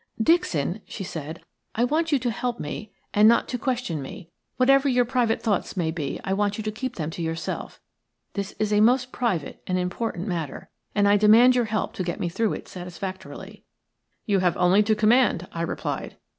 "Dixon," she said, "I want you to help me and not to question me; whatever your private thoughts may be I want you to keep them to yourself. This is a most private and important matter, and I demand your help to get me through it satisfactorily." "You have only to command," I replied.